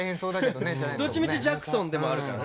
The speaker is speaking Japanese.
どっちみちジャクソンでもあるから。